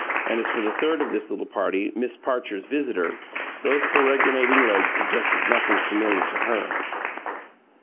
And as for the third of this little party, Miss Parcher's visitor, those peregrinating legs suggested nothing familiar to her.